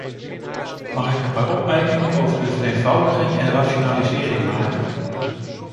Mag ik een paar opmerkingen over de vereenvoudiging en rationalisering maken?